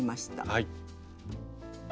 はい。